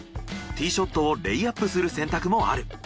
ティショットをレイアップする選択もある。